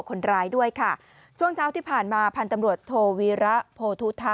คนร้ายด้วยค่ะช่วงเช้าที่ผ่านมาพันธุ์ตำรวจโทวีระโพธุทะ